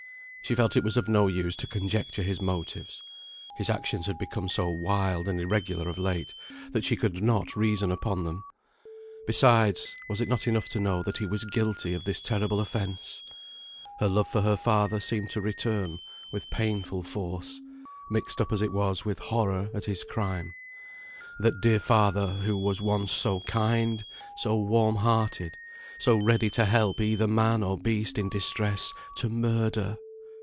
She felt it was of no use to conjecture his motives. His actions had become so wild and irregular of late, that she could not reason upon them. Besides, was it not enough to know that he was guilty of this terrible offence? Her love for her father seemed to return with painful force, mixed up as it was with horror at his crime. That dear father, who was once so kind, so warm hearted, so ready to help either man or beast in distress, to murder!